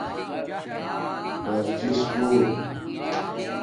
پرچس کݸٹ